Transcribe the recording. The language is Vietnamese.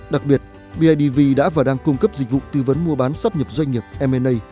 đặc biệt bidv đã và đang cung cấp dịch vụ tư vấn mua bán sắp nhập doanh nghiệp mna